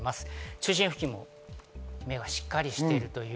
中心付近も目がしっかりしている。